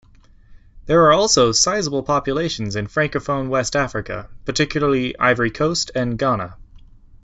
There are also sizable populations in francophone West Africa, particularly Ivory Coast and Ghana.